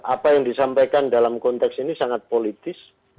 apa yang disampaikan dalam konteks ini sangat politis